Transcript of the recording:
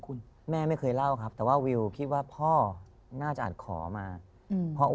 คุณแม่ไม่เคยเล่าครับแต่ว่าวิวคิดว่าพ่อน่าจะอาจขอมาอืม